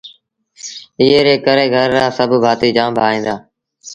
ايئي ري ڪري گھر رآ سڀ ڀآتيٚ جآم ڀائيٚݩ دآ